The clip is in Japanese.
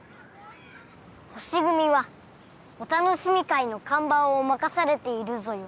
星組はおたのしみ会の看板を任されているぞよ。